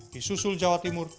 di susul jawa timur